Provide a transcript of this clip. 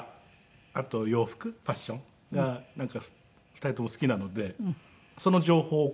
あと洋服ファッションがなんか２人とも好きなのでその情報交換ですね